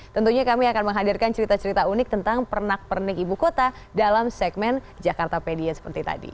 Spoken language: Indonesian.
tentunya kami akan menghadirkan cerita cerita unik tentang pernak pernik ibu kota dalam segmen jakartapedia seperti tadi